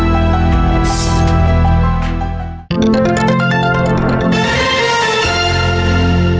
โปรดติดตามตอนต่อไป